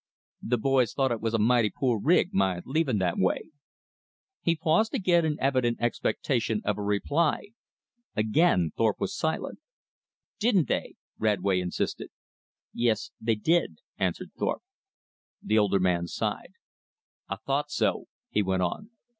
"The boys thought it was a mighty poor rig, my leaving that way." He paused again in evident expectation of a reply. Again Thorpe was silent. "Didn't they?" Radway insisted. "Yes, they did," answered Thorpe. The older man sighed. "I thought so," he went on.